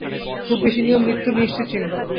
খুব বেশী নিয়ম মৃত্যুরই নিশ্চিত চিহ্ন।